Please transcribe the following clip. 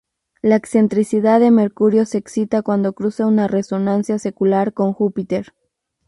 La excentricidad de Mercurio se excita cuando cruza una resonancia secular con Júpiter.